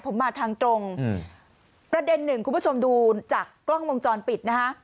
ผมมาทางตรงอืมประเด็นหนึ่งคุณผู้ชมดูจากกล้องวงจรปิดนะฮะ